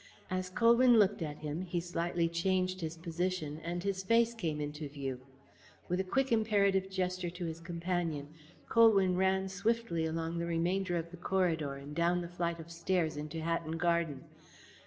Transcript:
As Colywn looked at him he slightly changed his position and his face came into view. With a quick imperative gesture to his companion, Colwyn ran swiftly along the remainder of the corridor and down the flight of stairs into Hatton Garden.